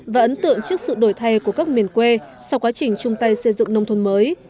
và ấn tượng trước sự đổi thay của các miền quê sau quá trình chung tay xây dựng nông thôn mới